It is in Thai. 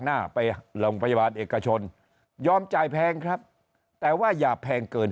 หน้าไปโรงพยาบาลเอกชนยอมจ่ายแพงครับแต่ว่าอย่าแพงเกิน